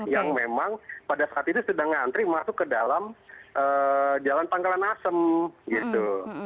yang memang pada saat itu sedang ngantri masuk ke dalam jalan pangkalan asem gitu